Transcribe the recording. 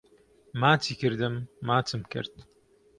ماچی کردم ماچم کرد